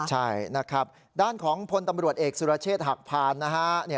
ใช่นะครับด้านของพลตำรวจเอกสุรเชษฐ์หักพานนะฮะ